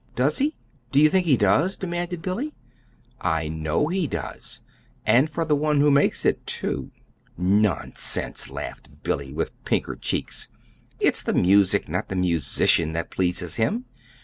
"Does he? Do you think he does?" demanded Billy. "I know he does and for the one who makes it, too." "Nonsense!" laughed Billy, with pinker cheeks. "It's the music, not the musician, that pleases him.